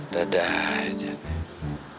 dadah aja nih